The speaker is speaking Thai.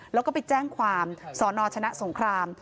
แล้วก็ไปแจ้งความสนชนะสงคราม